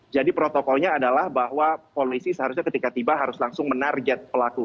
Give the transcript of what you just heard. jadi protokolnya adalah bahwa polisi seharusnya ketika tiba harus langsung menarget pelaku